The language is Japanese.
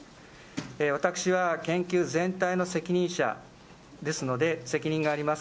私は研究全体の責任者ですので、責任があります。